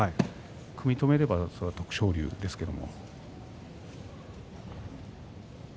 食い止めれば徳勝龍ですけれども。